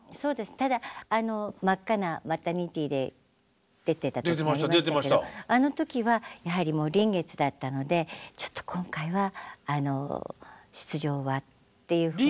ただ真っ赤なマタニティーで出ていた時ありましたけどあの時はやはりもう臨月だったので「ちょっと今回は出場は」っていうふうに。